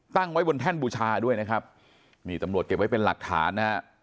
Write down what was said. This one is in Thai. ตั้งไว้บนแท่นบูชาด้วยนะครับนี่ตำรวจเก็บไว้เป็นหลักฐานนะฮะ